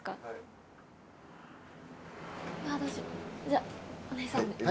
じゃあお姉さんで。